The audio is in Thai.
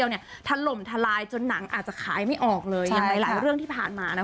ยังไงของเรื่องที่ผ่านมานะ